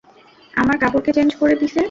আমার কাপড় কে চেঞ্জ করে দিসে?